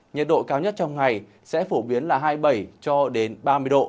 nhiệt độ cao nhất trong ngày sẽ phổ biến là hai mươi bảy cho đến ba mươi độ